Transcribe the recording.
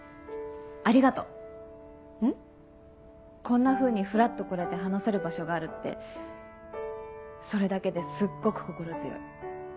こんなふうにフラっと来れて話せる場所があるってそれだけですっごく心強い。